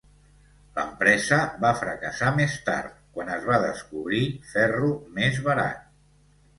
L'empresa va fracassar més tard, quan es va descobrir ferro més barat.